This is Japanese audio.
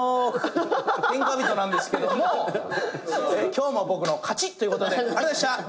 今日も僕の勝ちということでありがとうございました！